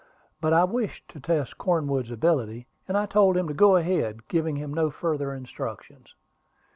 But I wished to test Cornwood's ability, and I told him to go ahead, giving him no further instructions.